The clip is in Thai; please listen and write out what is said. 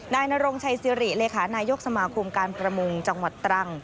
นายนรงชัยสิริเลขานายกสมาคมการประมงจังหวัดตรัง